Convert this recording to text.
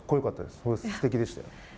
すてきでした。